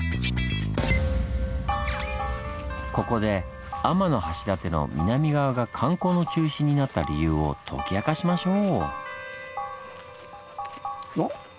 ここで天橋立の南側が観光の中心になった理由を解き明かしましょう！